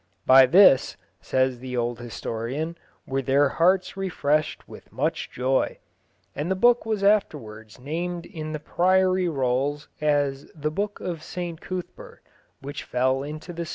"By this," says the old historian, "were their hearts refreshed with much joy." And the book was afterwards named in the priory rolls as "the Book of St Cuthbert, which fell into the sea."